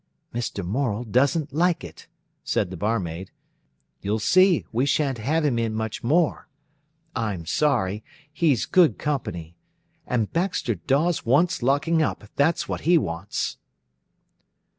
"Mr. Morel doesn't like it," said the barmaid. "You'll see, we shan't have him in much more. I'm sorry; he's good company. And Baxter Dawes wants locking up, that's what he wants."